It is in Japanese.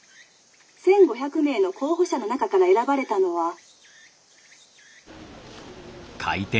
「１，５００名の候補者の中から選ばれたのは」。